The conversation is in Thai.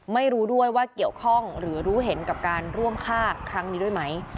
ไม่รู้ด้วยว่าเกี่ยวข้องหรือรู้เห็นกับการร่วมฆ่าครั้งนี้ด้วยไหม